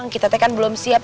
kita kan belum siap